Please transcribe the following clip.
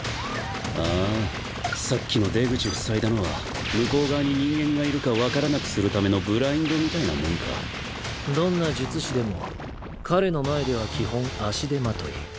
ああさっきの出口塞いだのは向こう側に人間がいるか分からなくするためのどんな術師でも彼の前では基本足手まとい。